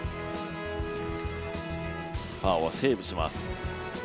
パーをセーブします。